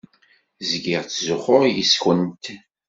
Zgiɣ ttzuxxuɣ yes-kent.